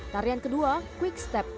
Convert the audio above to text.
tarian kedua quickstep